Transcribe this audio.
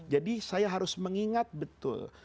saya harus mengingat betul